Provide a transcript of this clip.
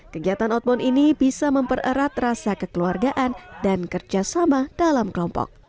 kegiatan outbound ini bisa mempererat rasa kekeluargaan dan kerjasama dalam kelompok